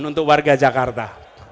untuk warga jakarta